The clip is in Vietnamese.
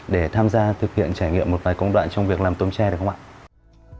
để tham gia thực hiện trải nghiệm một vài công đoạn trong việc làm tôm tre được không ạ